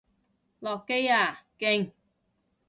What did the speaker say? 落機啊！勁！